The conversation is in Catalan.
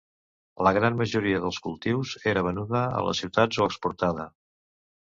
La gran majoria dels cultius era venuda a les ciutats o exportada.